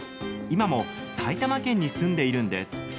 今も埼玉県に住んでいるんです。